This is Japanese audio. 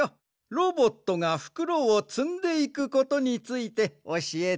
ロボットがふくろをつんでいくことについておしえてくれ。